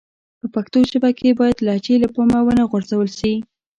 په پښتو ژبه کښي بايد لهجې له پامه و نه غورځول سي.